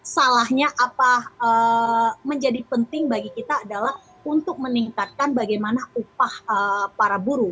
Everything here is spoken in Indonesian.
salahnya apa menjadi penting bagi kita adalah untuk meningkatkan bagaimana upah para buruh